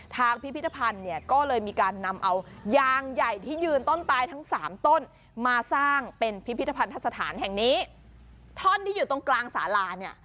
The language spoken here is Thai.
พิพิธภัณฑ์เนี่ยก็เลยมีการนำเอายางใหญ่ที่ยืนต้นตายทั้งสามต้นมาสร้างเป็นพิพิธภัณฑสถานแห่งนี้ท่อนที่อยู่ตรงกลางสาลาเนี่ย